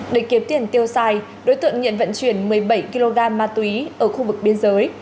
để kiếm tiền tiêu xài đối tượng nhận vận chuyển một mươi bảy kg ma túy ở khu vực biên giới